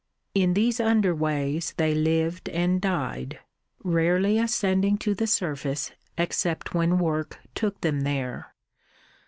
In these under ways they lived and died, rarely ascending to the surface except when work took them there.